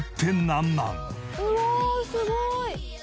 うわあすごい！